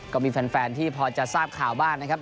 ก็มีแฟนที่พอจะทราบข่าวบ้างนะครับ